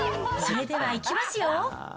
それではいきますよ。